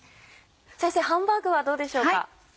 先生ハンバーグはどうでしょうか？